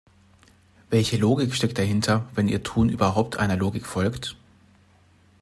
Welche Logik steckt dahinter, wenn Ihr Tun überhaupt einer Logik folgt?